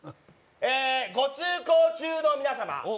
えっご通行中の皆様